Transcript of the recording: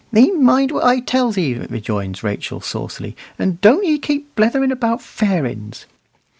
"Thee mind what I tells 'ee," rejoins Rachel saucily, "and doan't 'ee kep blethering about fairings."